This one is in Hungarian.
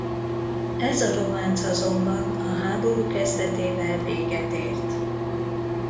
Ez a románc azonban a háború kezdetével véget ért.